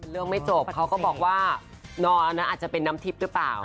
ไม่จบเขาก็บอกว่านอนอันนั้นอาจจะเป็นน้ำทิพย์หรือเปล่า